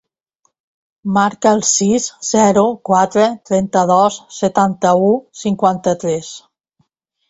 Marca el sis, zero, quatre, trenta-dos, setanta-u, cinquanta-tres.